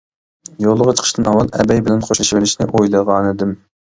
يولغا چىقىشتىن ئاۋۋال، ئەبەي بىلەن خوشلىشىۋېلىشنى ئويلىغانىدىم.